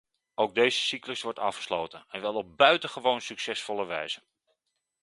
Ook deze cyclus wordt afgesloten, en wel op buitengewoon succesvolle wijze.